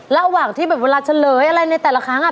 ระหว่างที่แบบเวลาเฉลยอะไรในแต่ละครั้ง